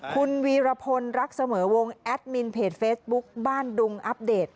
คุณวีรพลรักเสมอวงแอดมินเพจเฟซบุ๊คบ้านดุงอัปเดต